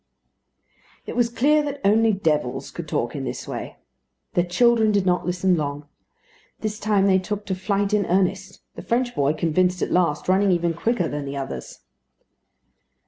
It was clear that only devils could talk in this way. The children did not listen long. This time they took to flight in earnest; the French boy, convinced at last, running even quicker than the others.